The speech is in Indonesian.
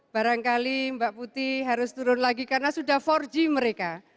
barangkali mbak putih harus turun lagi karena sudah empat g mereka